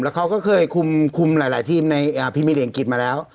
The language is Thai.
เขาก็เคยคุมหลายทีมในพิมิเหลียงกิจมาแล้ว